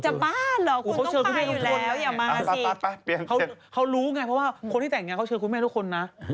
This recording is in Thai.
ถ้าไม่ได้แต่งงานเขาเชิญคุณแม่ทุกคนนะ